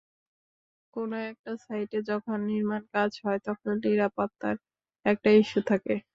কোনো একটা সাইটে যখন নির্মাণকাজ হয়, তখন নিরাপত্তার একটা ইস্যু থাকে।